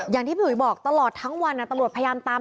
อย่างที่ผู้ใหญ่บอกตลอดทั้งวันตรวจพยายาม